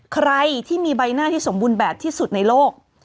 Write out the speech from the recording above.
ใครที่มีใบหน้าที่สมบูรณ์แบบที่สุดในโลก